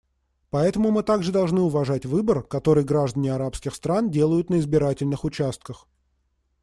Поэтому мы также должны уважать выбор, который граждане арабских стран делают на избирательных участках.